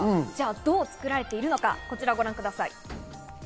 どう作られているのか、こちらをご覧ください。